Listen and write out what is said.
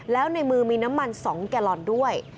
แล้วในมือมีน้ำมัน๒แกลลอนด้วย